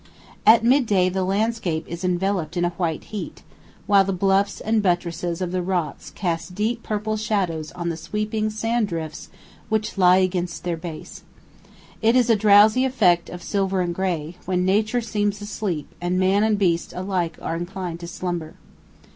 At midday the landscape is enveloped in a white heat, while the bluffs and buttresses of the rocks cast deep purple shadows on the sweeping sand drifts which lie against their base. It is a drowsy effect of silver and grey, when Nature seems asleep and man and beast alike are inclined to slumber.